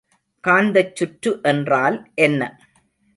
காந்தச் சுற்று என்றால் என்ன?